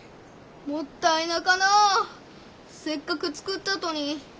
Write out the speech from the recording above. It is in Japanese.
もったいなかなせっかく作ったとに。